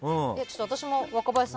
私も若林さん